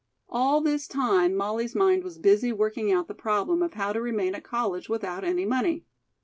All this time Molly's mind was busy working out the problem of how to remain at college without any money.